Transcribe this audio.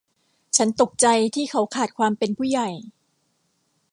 ฉันตกใจที่เขาขาดความเป็นผู้ใหญ่